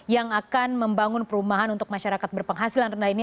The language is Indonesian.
yang akan membangun perumahan untuk masyarakat berpenghasilan rendah ini